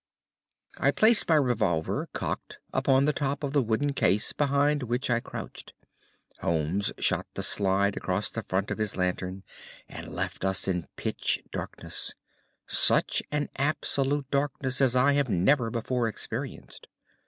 I placed my revolver, cocked, upon the top of the wooden case behind which I crouched. Holmes shot the slide across the front of his lantern and left us in pitch darkness—such an absolute darkness as I have never before experienced.